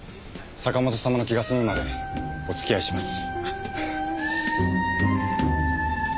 坂本様の気が済むまでおつきあいします。